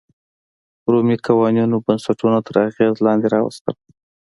رومي قوانینو بنسټونه تر اغېز لاندې راوستل.